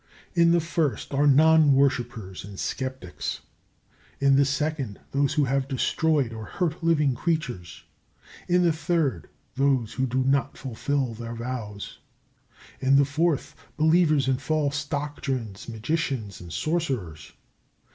In the first are non worshippers and sceptics. In the second, those who have destroyed or hurt living creatures. In the third, those who do not fulfil their vows. In the fourth, believers in false doctrines, magicians, and sorcerers.